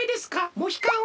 モヒカンは？